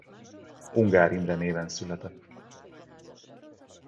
Ungár Imre néven született.